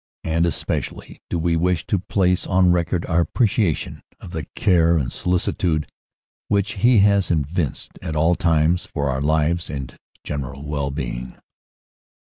And especially do we wish to place on record our appreciation of the care and solicitude which he has evinced at all times for our lives and general well being."